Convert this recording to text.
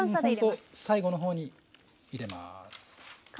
ほんと最後のほうに入れます。